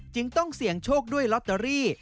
ต้องเสี่ยงโชคด้วยลอตเตอรี่